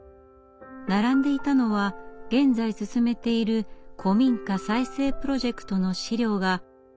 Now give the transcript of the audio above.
並んでいたのは現在進めている古民家再生プロジェクトの資料が６軒分。